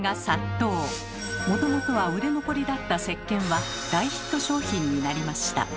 もともとは売れ残りだったせっけんは大ヒット商品になりました。